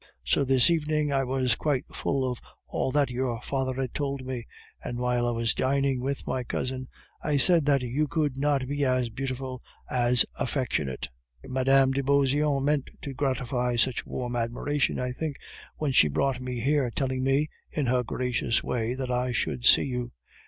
So this evening I was quite full of all that your father had told me, and while I was dining with my cousin I said that you could not be as beautiful as affectionate. Mme. de Beauseant meant to gratify such warm admiration, I think, when she brought me here, telling me, in her gracious way, that I should see you."